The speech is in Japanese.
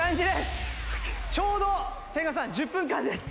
「ちょうど千賀さん１０分間です！」